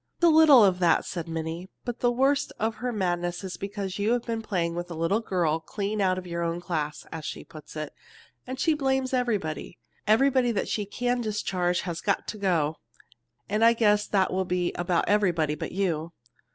"A little of it is that," said Minnie, "but the worst of her madness is because you have been playing with a little girl clean out of your own class, as she puts it, and she blames everybody. Everybody that she can discharge has got to go and I guess that will be about everybody but you."